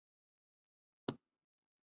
这显示安提阿在基督宗教历史上的意义。